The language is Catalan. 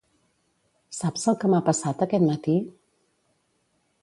Saps el que m'ha passat aquest matí?